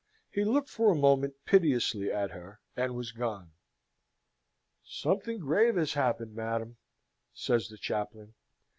He looked for a moment piteously at her, and was gone. "Something grave has happened, madam," says the chaplain.